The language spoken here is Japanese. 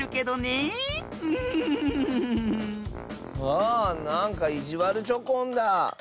あなんかいじわるチョコンだ。